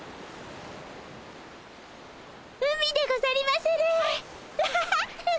海でござりまする！ハハハ！